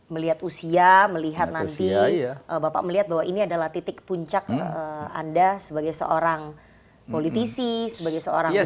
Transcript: melihat usia melihat nanti bapak melihat bahwa ini adalah titik puncak anda sebagai seorang politisi sebagai seorang